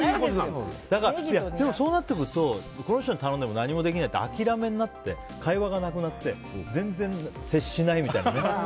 でも、そうなってくるとこの人に頼んでも何もできないって諦めになって、会話がなくなって全然、接しないみたいなね。